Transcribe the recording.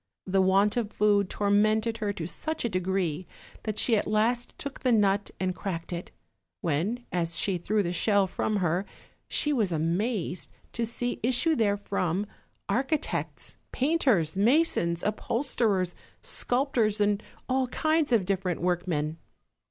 The want of food tormented her to such a degree that she at last took the nut and cracked it; when, as she threw the shell from her, she was amazed to see issue therefrom architects, painters, masons, upholsterers, sculptors, and all kinds of different workmen.